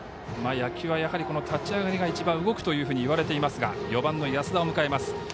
野球はやはり立ち上がりが一番動くといわれていますが４番、安田を迎えます。